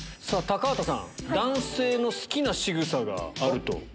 高畑さん男性の好きなしぐさがあると。